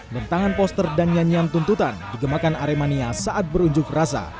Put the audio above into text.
bentangan poster dan nyanyian tuntutan digemakan aremania saat berunjuk rasa